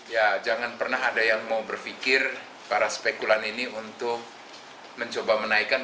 ya jangan pernah ada yang mau berpikir para spekulan ini untuk mencoba menaikkan